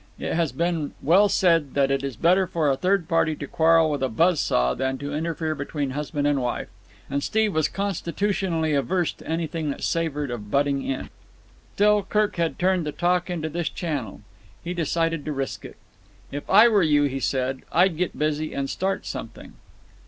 It has been well said that it is better for a third party to quarrel with a buzz saw than to interfere between husband and wife; and Steve was constitutionally averse to anything that savoured of butting in. Still, Kirk had turned the talk into this channel. He decided to risk it. "If I were you," he said, "I'd get busy and start something."